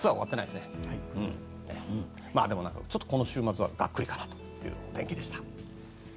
でも、ちょっとこの週末はがっくりかなという天気でした。